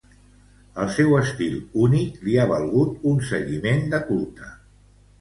El seu estil únic li ha valgut un seguiment de culte.